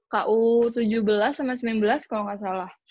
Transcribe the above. ku tujuh belas sama sembilan belas kalau nggak salah